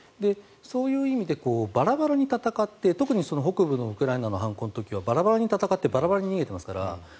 そういう意味でバラバラに戦って特に北部のウクライナの反攻の時はバラバラに戦ってバラバラに逃げていますから。